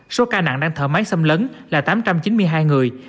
số ca nặng đang thở máy xâm lấn là tám trăm chín mươi hai người